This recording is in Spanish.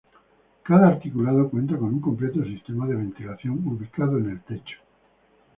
Cada articulado cuenta con un completo sistema de ventilación ubicado en el techo.